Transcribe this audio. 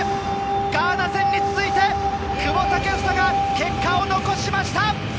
ガーナ戦に続いて、久保建英が結果を残しました！